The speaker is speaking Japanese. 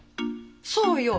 そうよ。